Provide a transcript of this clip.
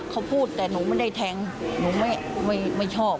เขาพูดแต่หนูไม่ได้แทงหนูไม่ชอบ